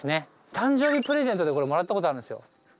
誕生日プレゼントでこれもらったことあるんですよ。